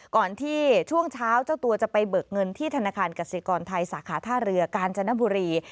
ก่อนที่ช่วงเช้าเจ้าตัวจะไปเบิกเงินที่ธนาคารกสิกรไทยสาขาท่าเรือกาญจนบุรี